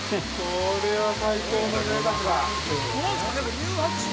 ◆これは最高のぜいたくだ。